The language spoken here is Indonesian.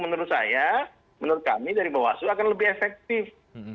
menurut saya menurut kami dari bawaslu akan lebih efektif